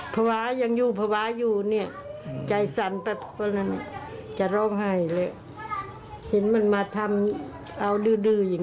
นี่ค่ะคุณผู้ชมก็ฟังดูแล้วกัน